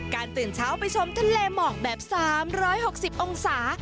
ตื่นเช้าไปชมทะเลหมอกแบบ๓๖๐องศา